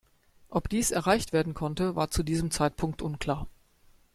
Ob dies erreicht werden konnte, war zu diesem Zeitpunkt unklar.